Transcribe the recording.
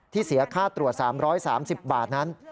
เสียค่าตรวจ๓๓๐บาทนั้น